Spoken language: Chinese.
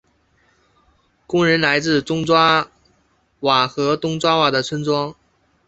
工人来自中爪哇和东爪哇的村庄。